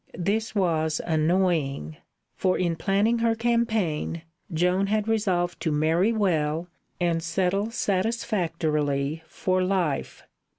This was annoying, for in planning her campaign, Joan had resolved to marry well and settle satisfactorily for life.